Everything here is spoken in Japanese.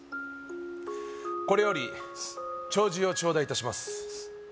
これより弔辞を頂戴いたします